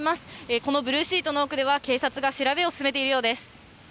このブルーシートの奥では警察が調べを進めているようです。